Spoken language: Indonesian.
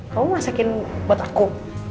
kamu masakin buat aku